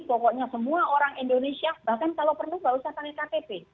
pokoknya semua orang indonesia bahkan kalau perlu nggak usah pakai ktp